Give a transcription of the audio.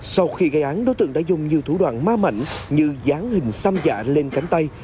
sau khi gây án đối tượng đã dùng nhiều thủ đoạn ma mảnh như dán hình xăm dạ lên cánh tay